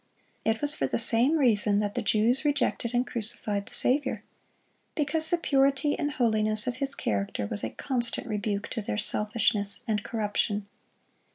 It was for the same reason that the Jews rejected and crucified the Saviour,—because the purity and holiness of His character was a constant rebuke to their selfishness and corruption.